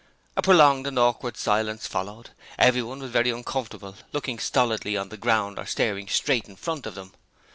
A prolonged and awkward silence followed. Everyone was very uncomfortable, looking stolidly on the ground or staring straight in front of them.